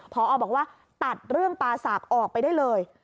พอบอกว่าตัดเรื่องปลาสากออกไปได้เลย